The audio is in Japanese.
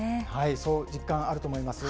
そう実感あると思います。